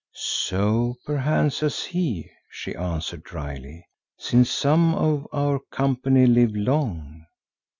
"So perchance has he," she answered drily, "since some of our company live long.